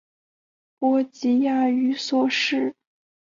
波吉亚寓所是梵蒂冈使徒宫内的一组房间。